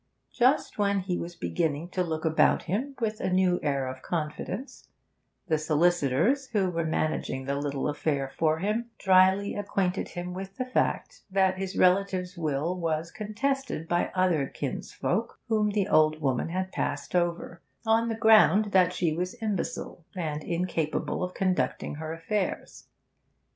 Just when he was beginning to look about him with a new air of confidence, the solicitors who were managing the little affair for him drily acquainted him with the fact that his relative's will was contested by other kinsfolk whom the old woman had passed over, on the ground that she was imbecile and incapable of conducting her affairs.